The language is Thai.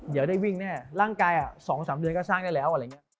เดี๋ยวได้วิ่งแน่ร่างกาย๒๓เดือนก็สร้างได้แล้ว